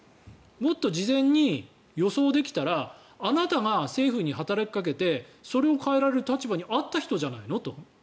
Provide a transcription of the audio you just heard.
もっと事前に予想できたらあなたが政府に働きかけてそれを変えられる立場にあった人じゃないのと。